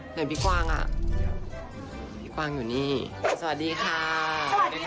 เหนื่อยพี่กวางอ่ะพี่กวางอยู่นี่สวัสดีค่ะสวัสดีค่ะ